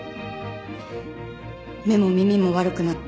目も耳も悪くなって。